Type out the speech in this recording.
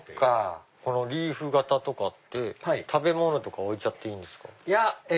このリーフ形とかって食べ物置いていいんですか？